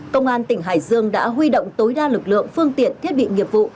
công an tỉnh hải dương đã huy động tối đa lực lượng phương tiện thiết bị nghiệp vụ